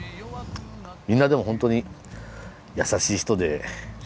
みんなでもホントに優しい人で。